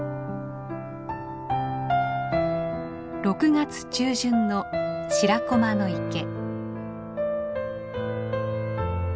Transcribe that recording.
６月中旬の白駒の池。